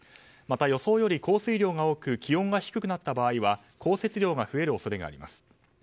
また、予想より降水量が多く気温が低くなった場合は降雪量が増える恐れがあります。